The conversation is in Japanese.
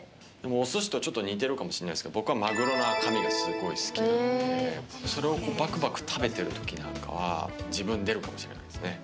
おすしとちょっと似てるかもしれないですけど、僕はマグロの赤身がすごい好きなんで、それをばくばく食べてるときなんかは、自分出るかもしれないですね。